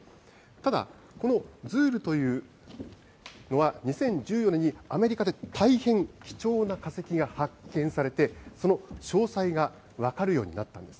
ただこのズールというのは、２０１４年にアメリカで大変貴重な化石が発見されて、その詳細が分かるようになったんです。